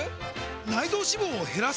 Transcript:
内臓脂肪を減らす！？